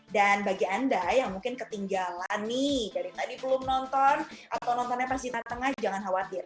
dan bagi anda yang mungkin ketinggalan nih dari tadi belum nonton atau nontonnya pas kita tengah jangan khawatir